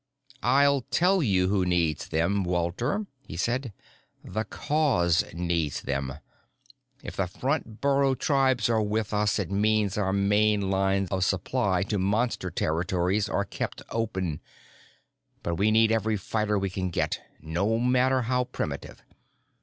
"I'll tell you who needs them, Walter," he said. "The Cause needs them. If the front burrow tribes are with us, it means our main lines of supply to Monster territory are kept open. But we need every fighter we can get, no matter how primitive.